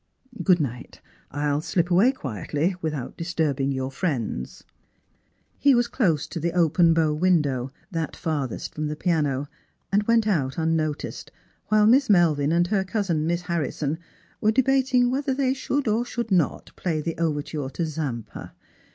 Good night. I'll slip away quietly without disturbing your friends." He was close to the open bow window, that farthest from the piano, and went out unnoticed, while Miss Melvin and her cousin Miss Harrison were debating whether they should or ohould not play the overture to Zampa.